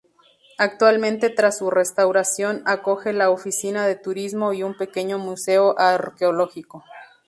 Actualmente tras su restauración acoge la oficina de turismo y un pequeño museo arqueológico.